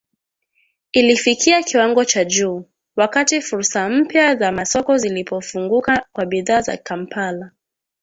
ilifikia kiwango cha juu, wakati fursa mpya za masoko zilipofunguka kwa bidhaa za Kampala